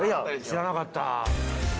知らなかった。